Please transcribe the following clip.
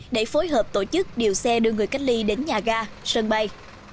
để phối hợp tổ chức điều xe đưa người cách ly đến nhà ga sân bay